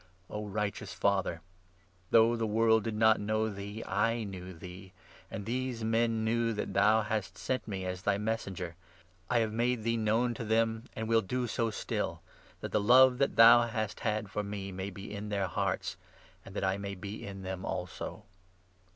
O righteous Father, 25 though the world did not know thee, I knew thee ; and these men knew that thou hast sent me as thy Messenger. I have made thee 26 known to them, and will do so still ; that the love that thou hast had for me may be in their hearts, and that I may be in them also."